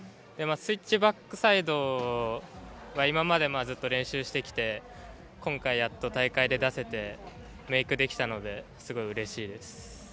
スイッチバックサイドは今までずっと練習してきて今回やっと大会で出せてメイクできたのですごい、うれしいです。